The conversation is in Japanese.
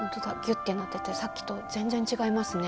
ッてなっててさっきと全然違いますね。